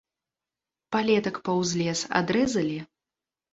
Палетак паўз лес адрэзалі?